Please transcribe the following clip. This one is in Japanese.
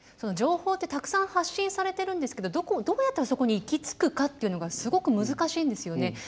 情報ってたくさん発信されてるんですけどどうやったらそこに行き着くかっていうのがすごく難しいんですよね。